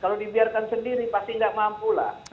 kalau dibiarkan sendiri pasti nggak mampu lah